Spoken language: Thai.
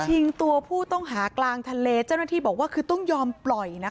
ชิงตัวผู้ต้องหากลางทะเลเจ้าหน้าที่บอกว่าคือต้องยอมปล่อยนะ